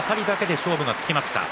勝負がつきました。